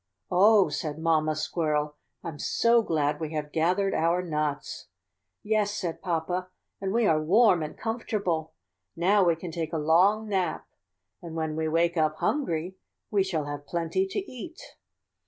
" ^Oh!' said Mamma Squirrel, T'm so glad we have gathered our nuts.' ^Yes,' said Papa, ^and we are warm and comfortable. Now we can take a long nap and when we wake up hungry we shall have plenty to eat.